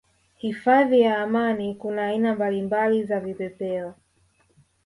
Hifadhi ya Amani kuna aina mbalimbali za vipepeo